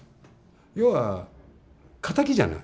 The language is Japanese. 要は敵じゃない。